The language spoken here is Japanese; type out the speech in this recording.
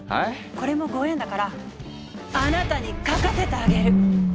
これもご縁だからあなたに描かせてあげる。